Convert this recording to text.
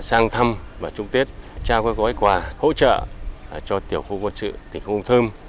sang thăm và trung tiết trao các gói quà hỗ trợ cho tiểu khu quân sự tp hcm